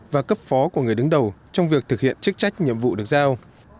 và cấp phó của người đứng đầu trong việc thực hiện chức trách nhiệm vụ được giao